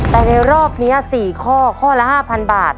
แต่ในรอบนี้๔ข้อข้อละ๕๐๐บาท